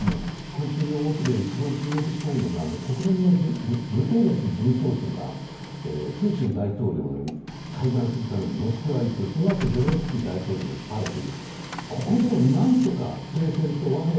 今週の動きで一番注目したいのは国連のグテーレス事務総長はプーチン大統領と会談するためにモスクワに行くそのあとにゼレンスキー大統領に会うと。